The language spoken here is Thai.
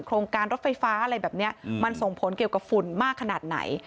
โครงการรถไฟฟ้าอะไรแบบนี้มันส่งผลเกี่ยวกับฝุ่นมากขนาดไหน